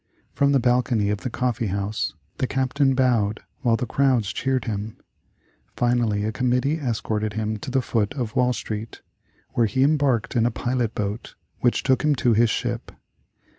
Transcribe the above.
From the balcony of the coffee house the Captain bowed while the crowds cheered him. Finally a committee escorted him to the foot of Wall Street, where he embarked in a pilot boat which took him to his ship.